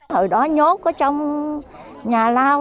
hồi đó nhốt ở trong nhà lao